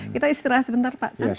kita istirahat sebentar pak sam